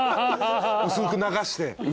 薄く流して。